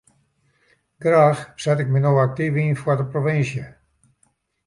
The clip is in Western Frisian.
Graach set ik my no aktyf yn foar de provinsje.